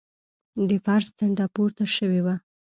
د فرش څنډه پورته شوې وه.